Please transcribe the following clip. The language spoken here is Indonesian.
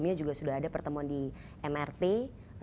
itu saja masalahnya sebenarnya